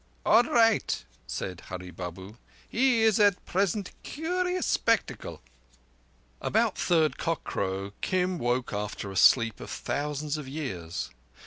"All raight," said Hurree Babu. "He is at present curious spectacle." About third cockcrow, Kim woke after a sleep of thousands of years.